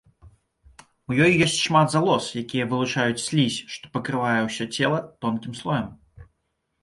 У ёй ёсць шмат залоз, якія вылучаюць слізь, што пакрывае ўсё цела тонкім слоем.